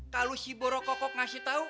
kalo si borokokok ngasih tau